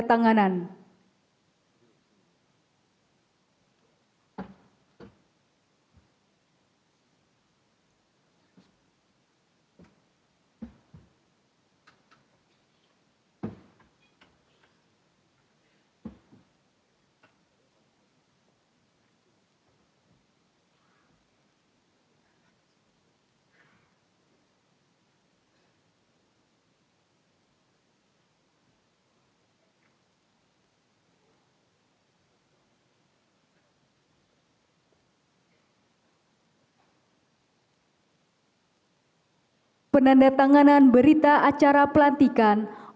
persiapan penanda tanganan berita acara pelantikan